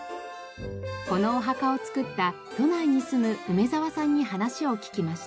このお墓を作った都内に住む梅澤さんに話を聞きました。